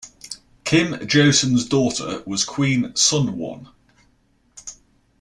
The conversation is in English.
Kim Josun's daughter was Queen Sunwon.